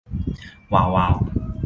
วาว วาว